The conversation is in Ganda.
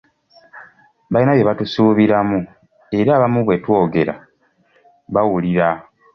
Balina bye batusuubiramu era abamu bwe twogera bawulira.